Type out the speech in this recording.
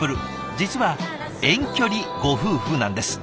実は遠距離ご夫婦なんです。